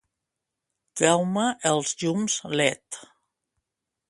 Treu-me els llums led.